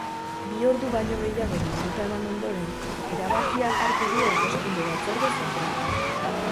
Bi ordu baino gehiago bilduta eman ondoren, erabakia hartu du hauteskunde-batzorde zentralak.